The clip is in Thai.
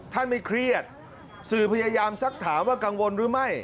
ไม่เครียดสื่อพยายามสักถามว่ากังวลหรือไม่